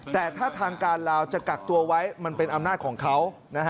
แต่ถ้าทางการลาวจะกักตัวไว้มันเป็นอำนาจของเขา